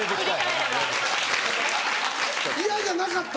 嫌じゃなかった？